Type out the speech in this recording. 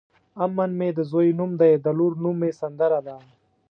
امن مې د ځوی نوم دی د لور نوم مې سندره ده.